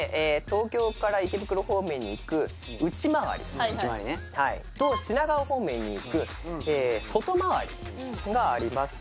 東京から池袋方面に行く内回りと品川方面に行く外回りがあります